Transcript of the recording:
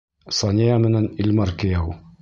Сания менән Илмар кейәү!